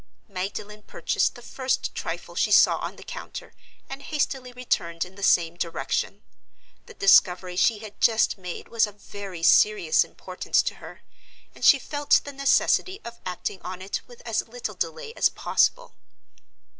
Magdalen purchased the first trifle she saw on the counter, and hastily returned in the same direction. The discovery she had just made was of very serious importance to her; and she felt the necessity of acting on it with as little delay as possible.